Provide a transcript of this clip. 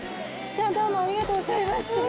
じゃあどうもありがとうございます。